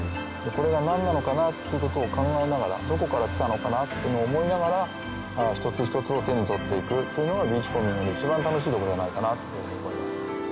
これが何なのかなっていうことを考えながらどこから来たのかなっていうのを思いながら一つ一つを手に取って行くっていうのがビーチコーミングの一番楽しいところじゃないかなと僕は思いますね。